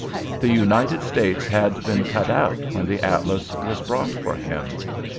The United States had been cut out when the atlas was bought for him.